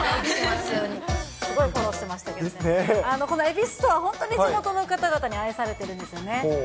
すごいフォローしてましたけれどもね、このえびすストア、本当に地元の方々に愛されてるんですよね。